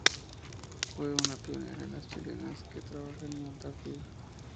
Fue una pionera de las chilenas que trabajan en Antártida.